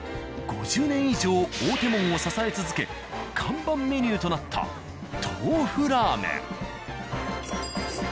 ５０年以上「大手門」を支え続け看板メニューとなった豆腐ラーメン。